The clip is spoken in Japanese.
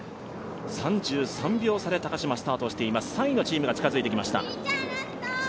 ３３秒差で高島、スタートして３位のチームが近づいてきました。